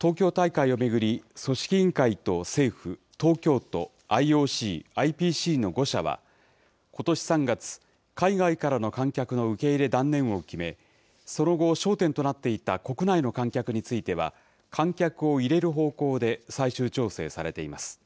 東京大会を巡り、組織委員会と政府、東京都、ＩＯＣ、ＩＰＣの５者はことし３月、海外からの観客の受け入れ断念を決め、その後、焦点となっていた国内の観客については、観客を入れる方向で最終調整されています。